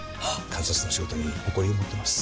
監察の仕事に誇りを持ってます。